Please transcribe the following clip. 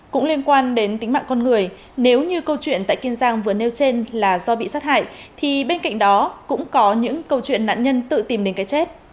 cũng liên quan đến tính mạng con người nếu như câu chuyện tại kiên giang vừa nêu trên là do bị sát hại thì bên cạnh đó cũng có những câu chuyện nạn nhân tự tìm đến cái chết